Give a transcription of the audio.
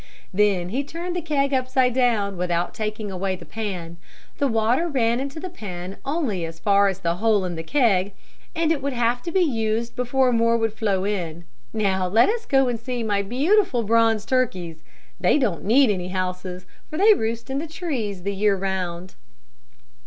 Then he turned the keg upside down, without taking away the pan. The water ran into the pan only as far as the hole in the keg, and it would have to be used before more would flow in. Now let us go and see my beautiful, bronze turkeys. They don't need any houses, for they roost in the trees the year round."